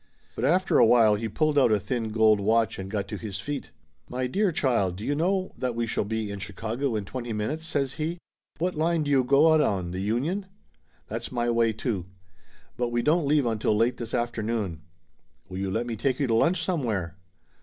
But after a while he pulled out a thin gold watch and got to his feet. "My dear child, do you know that we shall be in Chicago in twenty minutes ?" says he. "What line do you go out on the Union? That's my way too. But we don't leave until late this afternoon. Will you let me take you to lunch somewhere?"